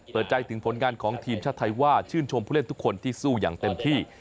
เปิดใจถึงผลงานของทีมชาติไทยว่าชื่นชมผู้เล่นทุกคนที่สู้อย่างเต็มที่